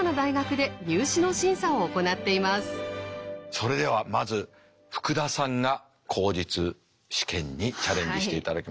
それではまず福田さんが口述試験にチャレンジしていただきます。